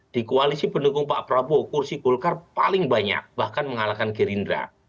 di koalisi pendukung pak prabowo kursi golkar paling banyak bahkan mengalahkan gerindra